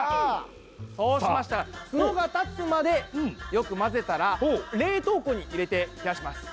そうしましたらツノが立つまでよくまぜたら冷凍庫に入れて冷やします！